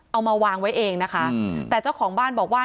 เอามาวางไว้เองนะคะแต่เจ้าของบ้านบอกว่า